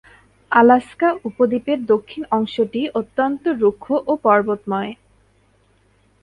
Alaska উপদ্বীপের দক্ষিণ অংশটি অত্যন্ত রুক্ষ ও পর্বতময়।